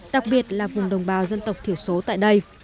đặc biệt là vùng đồng bào dân tộc thiểu số tại đây